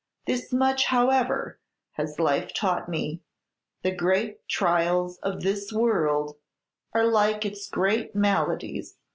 This much, however, has life taught me: the great trials of this world are like its great maladies.